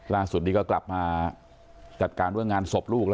ล่าสุดนี้ก็กลับมาจัดการด้วยงานสบลูก